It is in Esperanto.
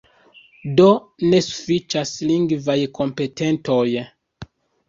Do, ne sufiĉas lingvaj kompetentoj.